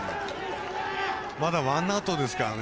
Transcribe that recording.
まだワンアウトですからね。